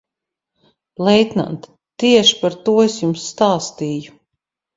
Leitnant, tieši par to es jums stāstīju.